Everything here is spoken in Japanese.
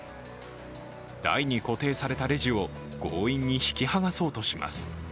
台に固定されたレジを強引に引き剥がそうとします。